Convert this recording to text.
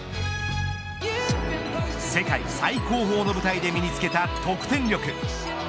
世界最高峰の舞台で身につけた得点力。